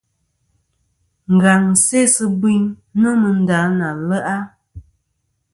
Ngaŋ sesɨ biyn nômɨ nda na le'a.